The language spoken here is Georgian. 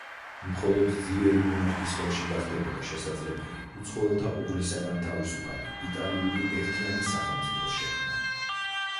მხოლოდ ძლიერი მონარქის ხელში გახდებოდა შესაძლებელი უცხოელთა უღლისაგან თავისუფალი იტალიური ერთიანი სახელმწიფოს შექმნა.